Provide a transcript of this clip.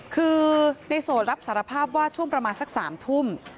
คือในโสดรับสารภาพว่าช่วงประมาณสัก๓ทุ่ม